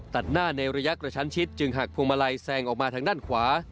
ตัดหน้าในระยะกระชั้นชิดจึงหักพวงมาลัยแซงออกมาทางด้านขวา